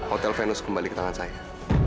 hotel venus kembali ke tangan saya